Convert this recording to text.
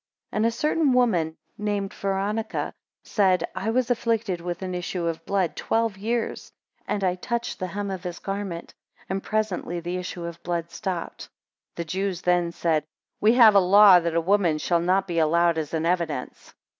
26 And a certain woman named Veronica, said, I was afflicted with an issue of blood twelve years, and I touched the hem of his garment, and presently the issue of blood stopped. 27 The Jews then said, We have a law, that a woman shall not be allowed as an evidence.